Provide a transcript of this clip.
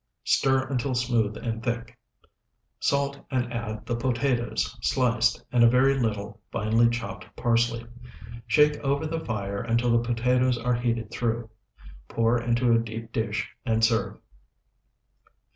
Stir until smooth and thick. Salt and add the potatoes, sliced, and a very little finely chopped parsley. Shake over the fire until the potatoes are heated through. Pour into a deep dish and serve.